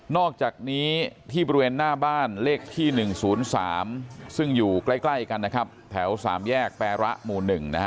นอกจากนี้ที่บริเวณหน้าบ้านเลขที่๑๐๓ซึ่งอยู่ใกล้กัน๓แยกแปลละหมู่๑